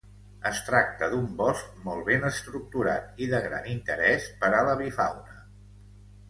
Es tracta d'un bosc molt ben estructurat i de gran interès per a l'avifauna.